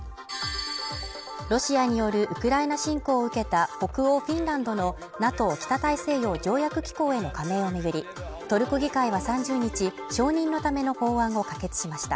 ロシアによるウクライナ侵攻を受けた北欧フィンランドのＮＡＴＯ＝北大西洋条約機構への加盟を巡り、トルコ議会は３０日、承認のための法案を可決しました。